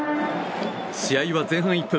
試合は前半１分